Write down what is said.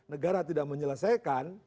negara tidak menyelesaikan